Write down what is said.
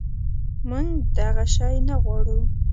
منږ دغه شی نه غواړو